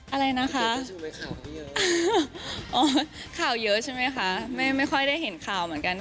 อะไรนะคะอ๋อข่าวเยอะใช่ไหมคะแม่ไม่ค่อยได้เห็นข่าวเหมือนกัน